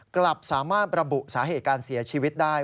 กลับสามารถระบุสาเหตุการเสียชีวิตได้